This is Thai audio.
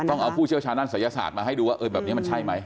ต้องเอาผู้เชี่ยวชาญด้านศัยศาสตร์มาให้ดูว่าแบบนี้มันใช่ไหม